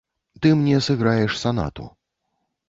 Ты мне сыграеш санату.